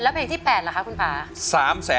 ๒๐๐๐๐๐แล้วเพลงที่๘ล่ะค่ะคุณป๊า